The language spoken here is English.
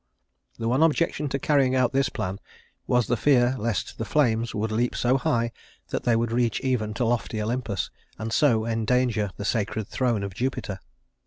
The one objection to carrying out this plan was the fear lest the flames would leap so high that they would reach even to lofty Olympus, and so endanger the sacred throne of Jupiter.